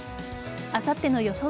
あさっての予想